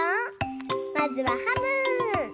まずはハム。